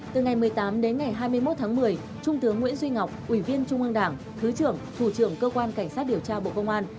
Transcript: từ ngày một mươi tám đến ngày hai mươi một tháng một mươi trung tướng nguyễn duy ngọc ủy viên trung ương đảng thứ trưởng thủ trưởng cơ quan cảnh sát điều tra bộ công an